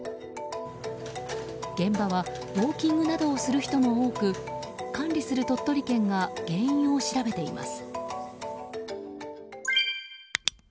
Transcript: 現場はウォーキングなどをする人も多く管理する鳥取県が原因を調べています。